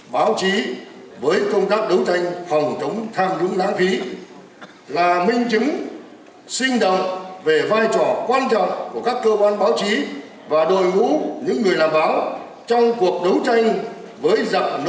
báo chí với công tác đấu tranh phòng chống tham nhũng lãng phí